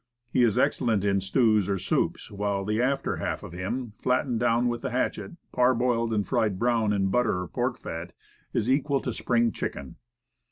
He is excellent in stews or soups, while the after half of him, flattened down with the hatchet, parboiled and fried brown in butter or pork fat, is equal to spring chicken.